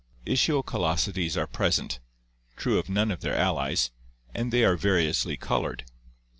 Ischial callosities are present — true of none of their allies — and they are variously colored.